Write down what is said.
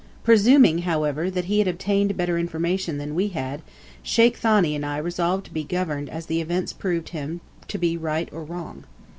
Presuming, however, that he had obtained better information than we had, Sheikh Thani and I resolved to be governed as the events proved him to be right or wrong.